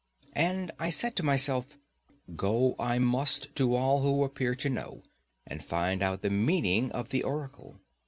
And I said to myself, Go I must to all who appear to know, and find out the meaning of the oracle.